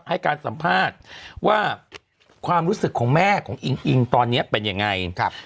ให้การสัมภาษณ์ว่าความรู้สึกของแม่ของอิงอิงตอนนี้เป็นยังไง